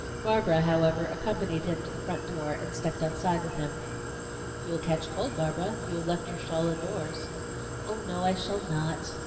Barbara, however, accompanied him to the front door, and stepped outside with him. "You will catch cold, Barbara. You have left your shawl indoors." "Oh, no, I shall not.